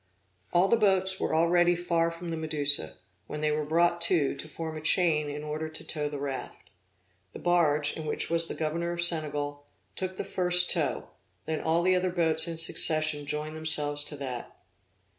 All the boats were already far from the Medusa, when they were brought to, to form a chain in order to tow the raft. The barge, in which was the governor of Senegal, took the first tow, then all the other boats in succession joined themselves to that.